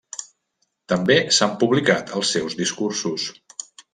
També s'han publicat els seus discursos.